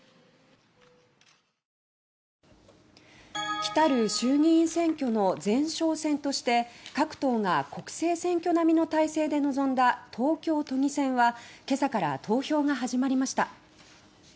来たる衆院選の前哨戦として各党が国政選挙並みの態勢で臨んだ東京都議選はけさから投票日を迎えました。